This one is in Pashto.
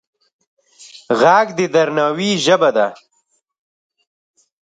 غږ د درناوي ژبه ده